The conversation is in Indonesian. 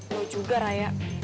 lo juga raya